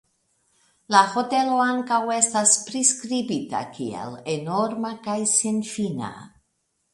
La hotelo ankaŭ estas priskribita kiel enorma kaj senfina.